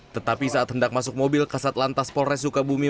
tetapi saat hendak masuk mobil ke satlantas polres sukabumi